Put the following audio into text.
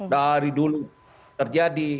dari dulu terjadi